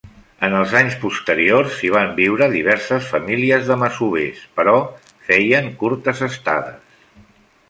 En els anys posteriors hi van viure diverses famílies de masovers, però feien curtes estades.